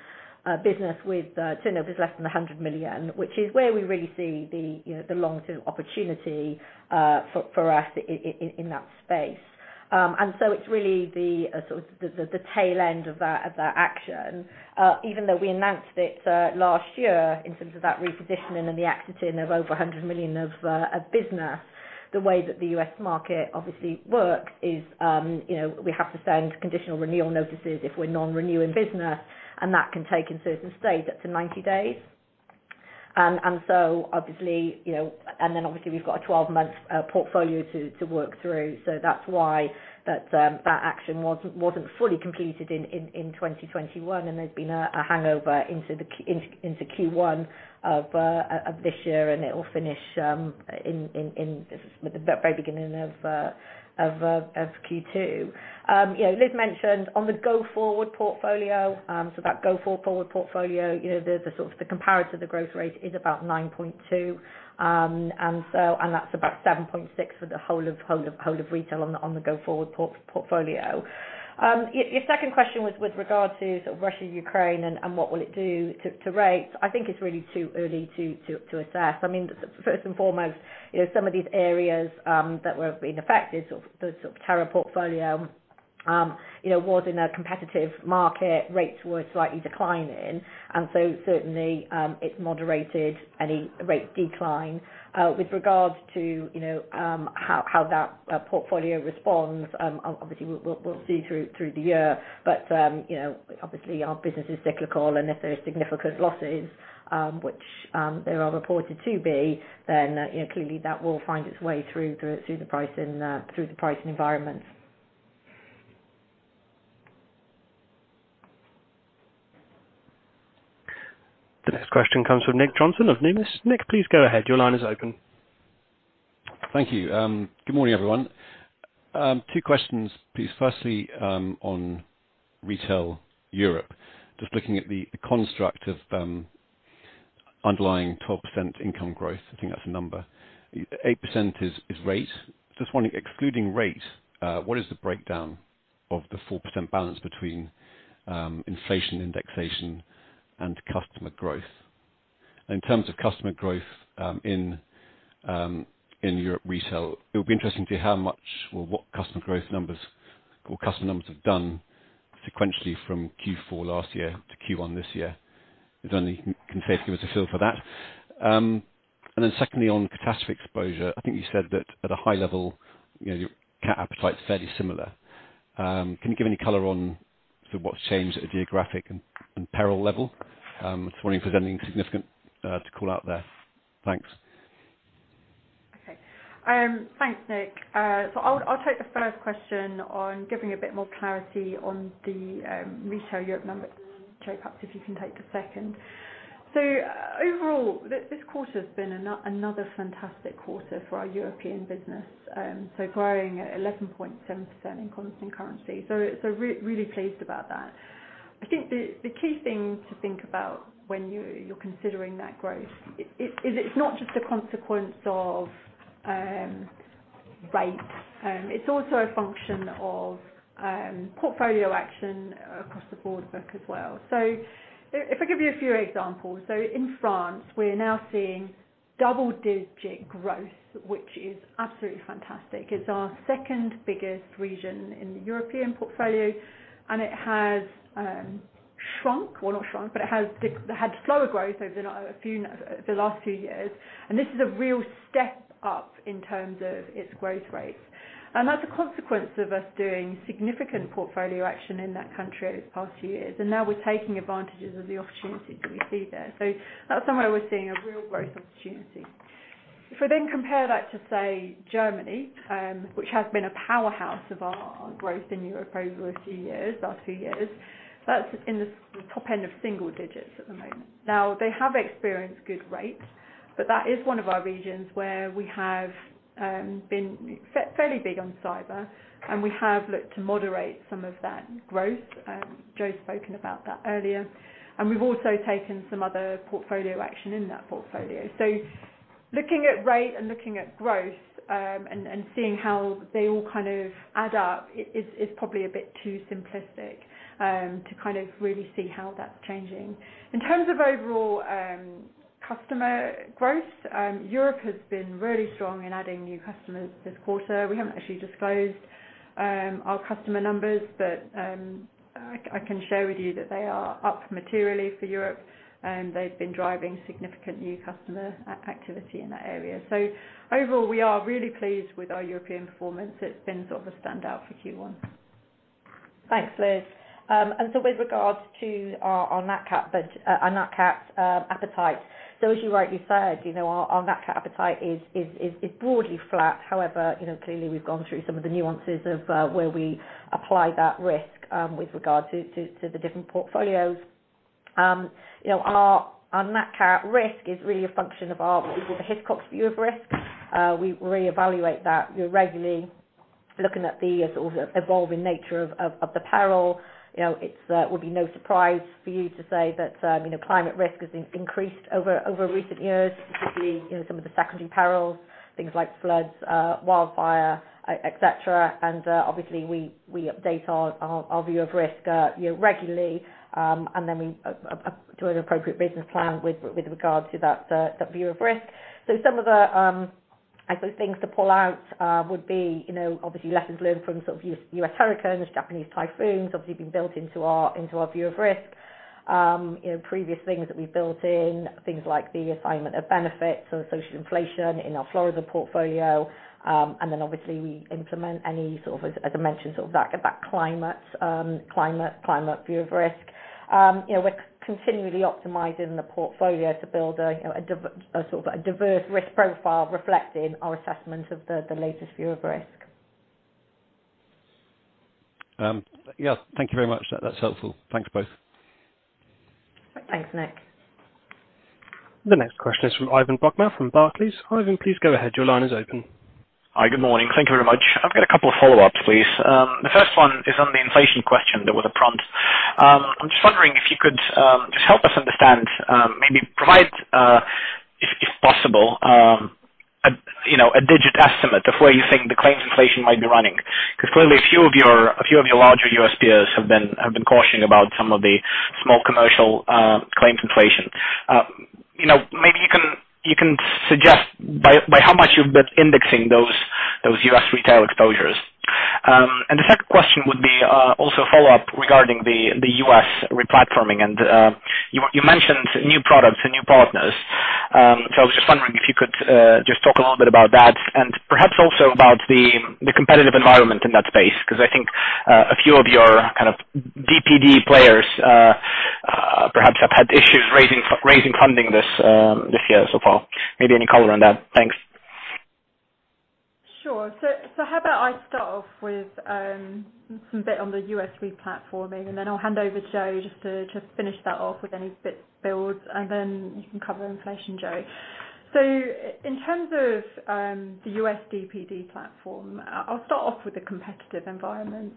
business with turnover less than $100 million, which is where we really see the, you know, the long-term opportunity for us in that space. It's really the sort of the tail end of that action. Even though we announced it last year in terms of that repositioning and the exiting of over $100 million of business, the way that the U.S. market obviously works is, you know, we have to send conditional renewal notices if we're non-renewing business, and that can take in certain states up to 90 days. Obviously, you know, we've got a 12-month portfolio to work through. That's why that action wasn't fully completed in 2021, and there's been a hangover into Q1 of this year, and it will finish in this is the very beginning of Q2. You know, Liz mentioned on the go-forward portfolio, so that go-forward portfolio, you know, the sort of comparator, the growth rate is about 9.2%. That's about 7.6% for the whole of retail on the go-forward portfolio. Your second question was with regard to sort of Russia-Ukraine and what will it do to rates. I think it's really too early to assess. I mean, first and foremost, you know, some of these areas that were being affected, sort of the terrorism portfolio, you know, was in a competitive market. Rates were slightly declining, and so certainly, it moderated any rate decline. With regards to, you know, how that portfolio responds, obviously, we'll see through the year. You know, obviously our business is cyclical and if there is significant losses, which there are reported to be, then, you know, clearly that will find its way through the pricing environment. The next question comes from Nick Johnson of Numis. Nick, please go ahead. Your line is open. Thank you. Good morning, everyone. Two questions please. Firstly, on Europe Retail, just looking at the construct of underlying 12% income growth, I think that's the number. 8% is rate. Just wondering, excluding rate, what is the breakdown of the 4% balance between inflation indexation and customer growth? In terms of customer growth, in Europe Retail, it would be interesting to see how much or what customer growth numbers or customer numbers have done sequentially from Q4 last year to Q1 this year. If only you can say, give us a feel for that. Then secondly, on catastrophic exposure, I think you said that at a high level, you know, your cat appetite's fairly similar. Can you give any color on sort of what's changed at a geographic and peril level? Just wondering if there's anything significant to call out there. Thanks. Okay. Thanks, Nick. I'll take the first question on giving a bit more clarity on the retail Europe number. Jo, perhaps if you can take the second. Overall, this quarter's been another fantastic quarter for our European business. Growing at 11.7% in constant currency. Really pleased about that. I think the key thing to think about when you're considering that growth is it's not just a consequence of rate, it's also a function of portfolio action across the broader book as well. If I give you a few examples. In France, we're now seeing double-digit growth, which is absolutely fantastic. It's our second biggest region in the European portfolio, and it has shrunk, or not shrunk, but it had slower growth over the last few years. This is a real step up in terms of its growth rates. That's a consequence of us doing significant portfolio action in that country over the past few years. Now we're taking advantages of the opportunities that we see there. That's somewhere we're seeing a real growth opportunity. If we then compare that to, say, Germany, which has been a powerhouse of our growth in Europe over the last few years, that's in the top end of single digits at the moment. Now, they have experienced good rates, but that is one of our regions where we have been fairly big on cyber, and we have looked to moderate some of that growth. Jo's spoken about that earlier. We've also taken some other portfolio action in that portfolio. Looking at rate and looking at growth, and seeing how they all kind of add up is probably a bit too simplistic to kind of really see how that's changing. In terms of overall customer growth, Europe has been really strong in adding new customers this quarter. We haven't actually disclosed our customer numbers, but I can share with you that they are up materially for Europe, and they've been driving significant new customer activity in that area. Overall, we are really pleased with our European performance. It's been sort of a standout for Q1. Thanks, Liz. With regards to our nat cat appetite. As you rightly said, you know, our nat cat appetite is broadly flat. However, you know, clearly we've gone through some of the nuances of where we apply that risk with regard to the different portfolios. You know, our nat cat risk is really a function of our what we call the Hiscox view of risk. We reevaluate that, you know, regularly looking at the sort of evolving nature of the peril. You know, it would be no surprise for you to say that, you know, climate risk has increased over recent years, particularly, you know, some of the secondary perils, things like floods, wildfire, et cetera. Obviously we update our view of risk, you know, regularly. We do an appropriate business plan with regard to that view of risk. Some of the, I suppose, things to pull out would be, you know, obviously lessons learned from sort of U.S. hurricanes, Japanese typhoons, obviously being built into our view of risk. You know, previous things that we've built in, things like the Assignment of Benefits or social inflation in our Florida portfolio. Obviously we implement any sort of, as I mentioned, sort of that climate view of risk. You know, we're continually optimizing the portfolio to build a, you know, a sort of a diverse risk profile reflecting our assessment of the latest view of risk. Yeah. Thank you very much. That, that's helpful. Thanks, both. Thanks, Nick. The next question is from Ivan Bokhmat from Barclays. Ivan, please go ahead. Your line is open. Hi. Good morning. Thank you very much. I've got a couple of follow-ups, please. The first one is on the inflation question that was a prompt. I'm just wondering if you could just help us understand maybe provide, if possible, you know, a digit estimate of where you think the claims inflation might be running. 'Cause clearly a few of your larger U.S. peers have been cautioning about some of the small commercial claims inflation. You know, maybe you can suggest by how much you've been indexing those US retail exposures. The second question would be also a follow-up regarding the U.S. re-platforming. You mentioned new products and new partners. I was just wondering if you could just talk a little bit about that and perhaps also about the competitive environment in that space, 'cause I think a few of your kind of DPD players perhaps have had issues raising funding this year so far. Maybe any color on that? Thanks. Sure. How about I start off with some bit on the U.S. re-platforming, and then I'll hand over to Jo just to finish that off with any bits and bobs, and then you can cover inflation, Jo. In terms of the U.S. DPD platform, I'll start off with the competitive environment.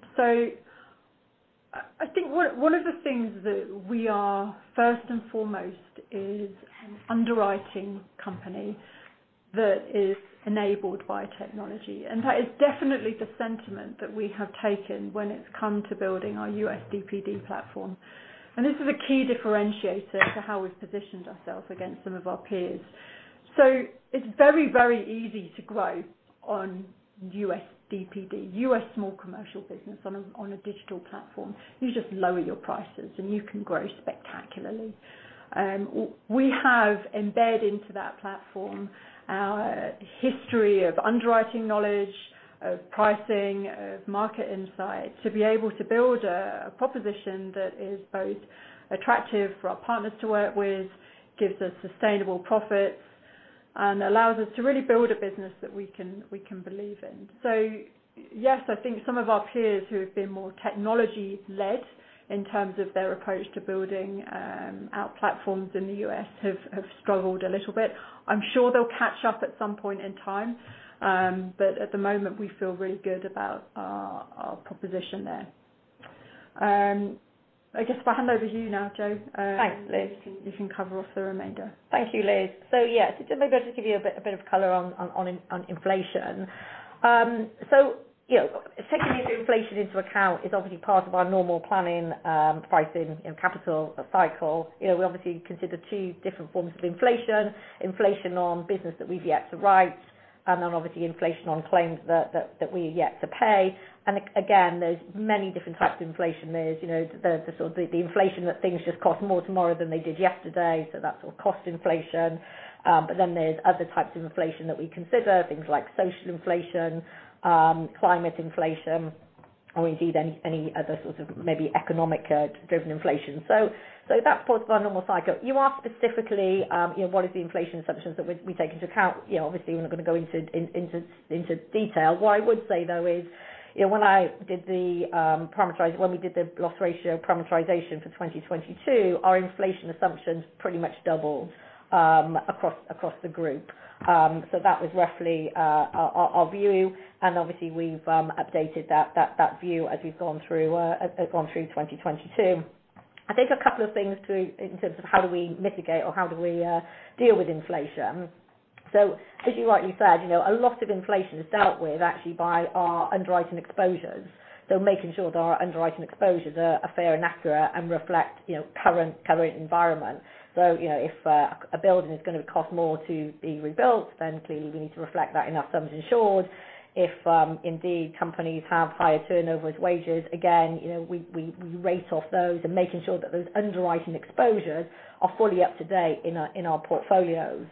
I think one of the things that we are first and foremost is an underwriting company. That is enabled by technology. And that is definitely the sentiment that we have taken when it's come to building our U.S. DPD platform. And this is a key differentiator to how we've positioned ourselves against some of our peers. It's very, very easy to grow on U.S. DPD. U.S. small commercial business on a digital platform, you just lower your prices and you can grow spectacularly. We have embedded into that platform our history of underwriting knowledge, of pricing, of market insight, to be able to build a proposition that is both attractive for our partners to work with, gives us sustainable profits, and allows us to really build a business that we can believe in. Yes, I think some of our peers who have been more technology led in terms of their approach to building out platforms in the U.S. have struggled a little bit. I'm sure they'll catch up at some point in time, but at the moment we feel really good about our proposition there. I guess if I hand over to you now, Jo. Thanks, Liz. You can cover off the remainder. Thank you, Liz. Yeah, maybe I'll just give you a bit of color on inflation. You know, taking the inflation into account is obviously part of our normal planning, pricing and capital cycle. You know, we obviously consider two different forms of inflation. Inflation on business that we've yet to write, and then obviously inflation on claims that we are yet to pay. Again, there's many different types of inflation. There's the sort of inflation that things just cost more tomorrow than they did yesterday, so that's sort of cost inflation. There's other types of inflation that we consider, things like social inflation, climate inflation, or indeed any other sort of maybe economic driven inflation. That's part of our normal cycle. You asked specifically, you know, what is the inflation assumptions that we take into account? You know, obviously we're not gonna go into detail. What I would say though is, you know, when we did the loss ratio parameterization for 2022, our inflation assumptions pretty much doubled across the group. That was roughly our view. Obviously we've updated that view as we've gone through 2022. I think a couple of things in terms of how do we mitigate or how do we deal with inflation. As you rightly said, you know, a lot of inflation is dealt with actually by our underwriting exposures. Making sure that our underwriting exposures are fair and accurate and reflect, you know, current environment. You know, if a building is gonna cost more to be rebuilt, then clearly we need to reflect that in our sums insured. If indeed, companies have higher turnover with wages, again, you know, we rate off those and making sure that those underwriting exposures are fully up-to-date in our portfolios,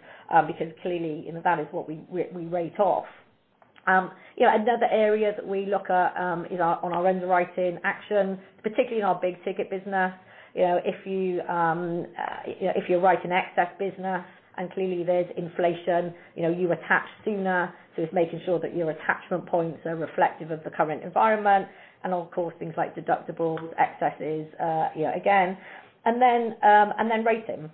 because clearly, you know, that is what we rate off. You know, another area that we look at is on our underwriting actions, particularly in our big ticket business. You know, if you write an excess business and clearly there's inflation, you know, you attach sooner. It's making sure that your attachment points are reflective of the current environment and of course things like deductibles, excesses, again. Then rating.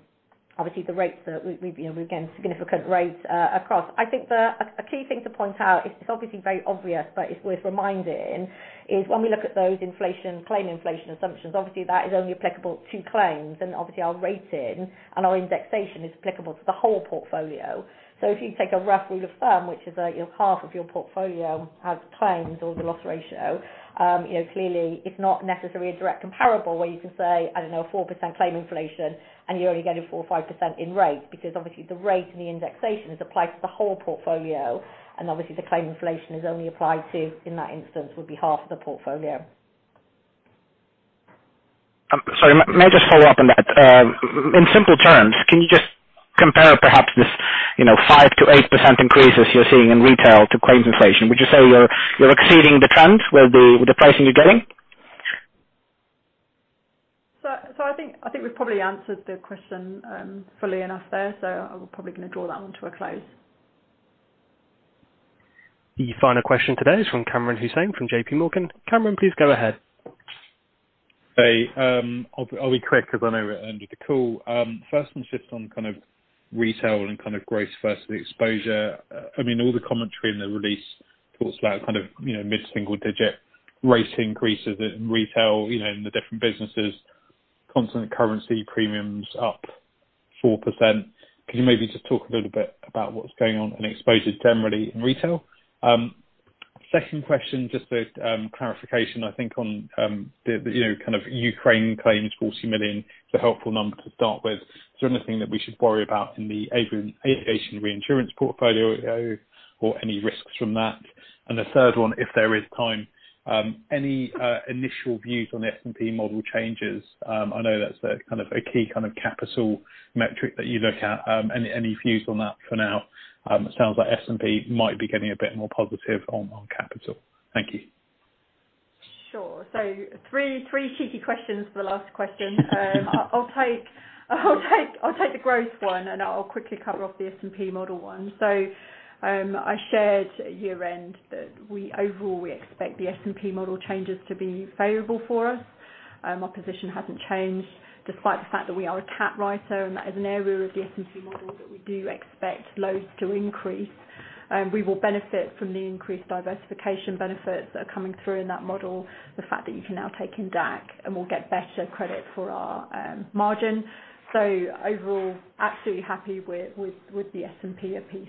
Obviously the rates that we gain significant rates across. I think a key thing to point out, it's obviously very obvious, but it's worth reminding, is when we look at those inflation, claim inflation assumptions, obviously that is only applicable to claims and obviously our rating and our indexation is applicable to the whole portfolio. If you take a rough rule of thumb, which is half of your portfolio has claims or the loss ratio, clearly it's not necessarily a direct comparable where you can say 4% claim inflation and you're only getting four or 5% in rate. Because obviously the rate and the indexation is applied to the whole portfolio, and obviously the claim inflation is only applied to, in that instance, would be half the portfolio. Sorry, may I just follow up on that? In simple terms, can you just compare perhaps this, you know, 5%-8% increases you're seeing in retail to claims inflation? Would you say you're exceeding the trend with the pricing you're getting? I think we've probably answered the question fully enough there, so I'm probably gonna draw that one to a close. The final question today is from Kamran Hossain from J.P. Morgan. Kamran, please go ahead. Hey, I'll be quick because I know we're ending the call. First one's just on kind of retail and kind of gross versus exposure. I mean, all the commentary in the release talks about kind of, you know, mid-single digit rate increases in retail, you know, in the different businesses. Constant currency premiums up 4%. Could you maybe just talk a little bit about what's going on in exposure generally in retail? Second question, just a clarification. I think on the, you know, kind of Ukraine claims $40 million is a helpful number to start with. Is there anything that we should worry about in the aviation reinsurance portfolio or any risks from that? The third one, if there is time, any initial views on the S&P model changes? I know that's a kind of key capital metric that you look at. Any views on that for now? It sounds like S&P might be getting a bit more positive on capital. Thank you. Sure. Three cheeky questions for the last question. I'll take the growth one, and I'll quickly cover off the S&P model one. I shared at year end that we overall expect the S&P model changes to be favorable for us. Our position hasn't changed despite the fact that we are a cat writer and that is an area of the S&P model that we do expect losses to increase. We will benefit from the increased diversification benefits that are coming through in that model, the fact that you can now take in DAC, and we'll get better credit for our margin. Overall, absolutely happy with the S&P piece.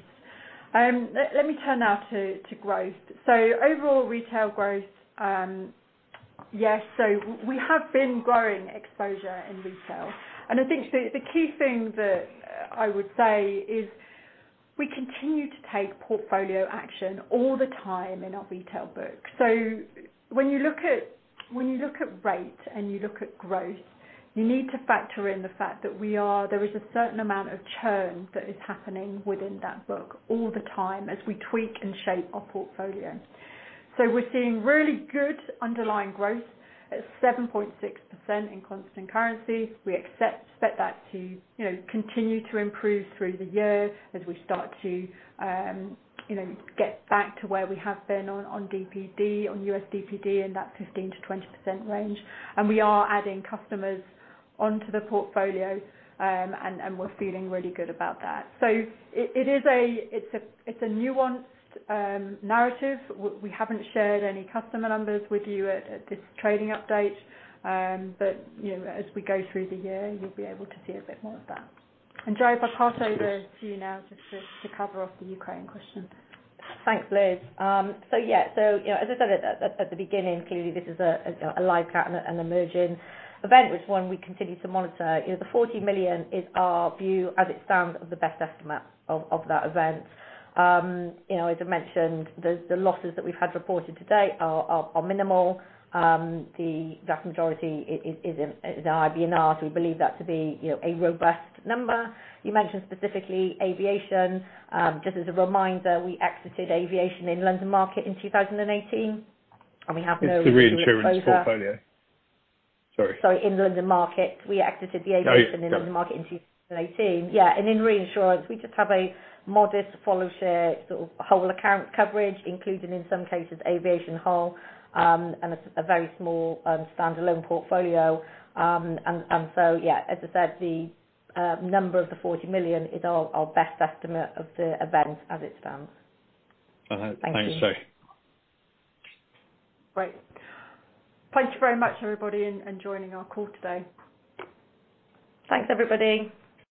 Let me turn now to growth. Overall retail growth, yes, so we have been growing exposure in retail. I think the key thing that I would say is we continue to take portfolio action all the time in our retail book. When you look at rate and you look at growth, you need to factor in the fact that there is a certain amount of churn that is happening within that book all the time as we tweak and shape our portfolio. We're seeing really good underlying growth at 7.6% in constant currency. We expect that to, you know, continue to improve through the year as we start to, you know, get back to where we have been on DPD, on U.S. DPD in that 15%-20% range. We are adding customers onto the portfolio, and we're feeling really good about that. It is a nuanced narrative. We haven't shared any customer numbers with you at this trading update, but you know, as we go through the year, you'll be able to see a bit more of that. Jo, if I pass over to you now just to cover off the Ukraine question. Thanks, Liz. So yeah, you know, as I said at the beginning, clearly this is a live cat and an emerging event, which we continue to monitor. You know, the $40 million is our view as it stands of the best estimate of that event. You know, as I mentioned, the losses that we've had reported to date are minimal. The vast majority is in IBNR, so we believe that to be a robust number. You mentioned specifically aviation. Just as a reminder, we exited aviation in London market in 2018, and we have no exposure- It's the reinsurance portfolio. Sorry. Sorry, in London Market, we exited the aviation. Oh, yeah. In London Market in 2018. Yeah, in reinsurance we just have a modest follow share sort of whole account coverage, including in some cases aviation hull, and a very small standalone portfolio. Yeah, as I said, the number of the $40 million is our best estimate of the event as it stands. All right. Thank you. Thanks, Jo. Great. Thank you very much, everybody, for joining our call today. Thanks, everybody.